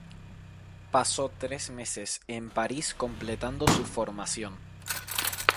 Pasó tres meses en París completando su formación.